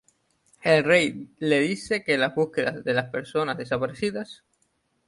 El rey le dice que la búsqueda de las personas desaparecidas.